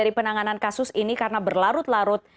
dari penanganan kasus ini karena berlarut larut